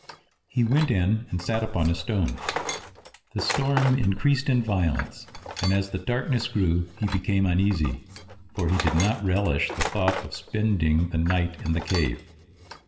He went in, and sat upon a stone. The storm increased in violence, and as the darkness grew he became uneasy, for he did not relish the thought of spending the night in the cave.